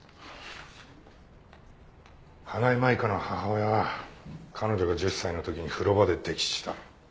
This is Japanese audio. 花井舞香の母親は彼女が１０歳の時に風呂場で溺死した。